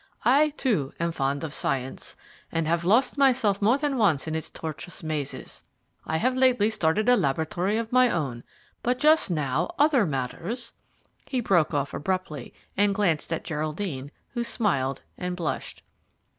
"I, too, am fond of science, and have lost myself more than once in its tortuous mazes. I have lately started a laboratory of my own, but just now other matters " He broke off abruptly, and glanced at Geraldine, who smiled and blushed.